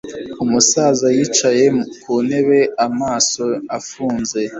Umusaza yicaye ku ntebe amaso afunze